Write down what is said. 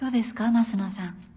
升野さん。